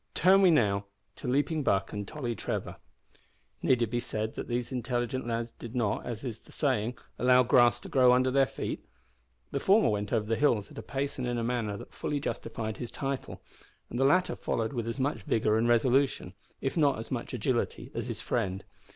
Turn we now to Leaping Buck and Tolly Trevor. Need it be said that these intelligent lads did not, as the saying is, allow grass to grow under their feet? The former went over the hills at a pace and in a manner that fully justified his title; and the latter followed with as much vigour and resolution, if not as much agility, as his friend.